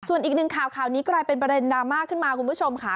ส่วนอีกหนึ่งข่าวข่าวนี้กลายเป็นประเด็นดราม่าขึ้นมาคุณผู้ชมค่ะ